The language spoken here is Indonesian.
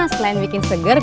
selain bikin segar